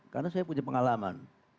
karena saya punya pengalaman